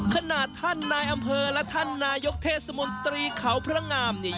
ขนาดท่านนายอำเภอและท่านนายกเทศมนตรีเขาพระงามเนี่ย